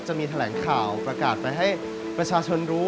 จะมีแถลงข่าวประกาศไปให้ประชาชนรู้